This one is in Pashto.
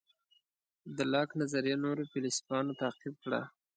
د لاک نظریه نورو فیلیسوفانو تعقیب کړه.